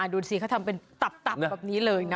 ดูสิเขาทำเป็นตับแบบนี้เลยนะ